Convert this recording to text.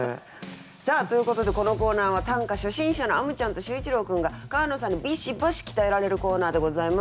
さあということでこのコーナーは短歌初心者のあむちゃんと秀一郎君が川野さんにビシバシ鍛えられるコーナーでございます。